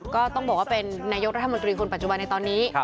ก็ต้องบอกว่าเป็นนายกรัฐมนตรีคนปัจจุบันในตอนนี้